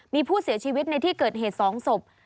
มีผู้เสียชีวิตในที่เกิดเหตุ๒ศพ